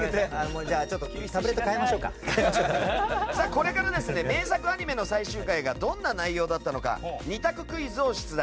これから名作アニメの最終回がどんな内容だったのか２択クイズを出題。